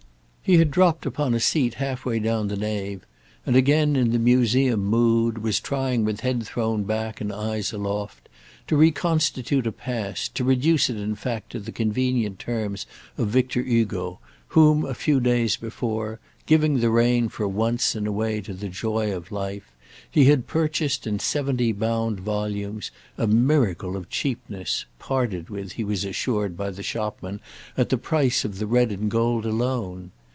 He had dropped upon a seat halfway down the nave and, again in the museum mood, was trying with head thrown back and eyes aloft, to reconstitute a past, to reduce it in fact to the convenient terms of Victor Hugo, whom, a few days before, giving the rein for once in a way to the joy of life, he had purchased in seventy bound volumes, a miracle of cheapness, parted with, he was assured by the shopman, at the price of the red and gold alone.